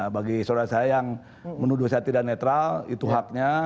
bagi saudara saya yang menuduh saya tidak netral itu haknya